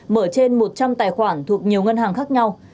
mở trên một trăm linh tài khoản thuộc nhiều ngân hàng khác nhau